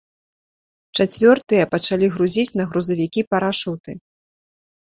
Чацвёртыя пачалі грузіць на грузавікі парашуты.